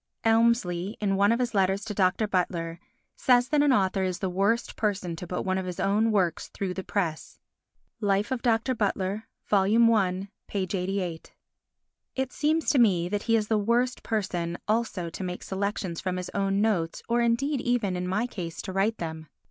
Elmsley, in one of his letters to Dr. Butler, says that an author is the worst person to put one of his own works through the press (Life of Dr. Butler, I, 88). It seems to me that he is the worst person also to make selections from his own notes or indeed even, in my case, to write them.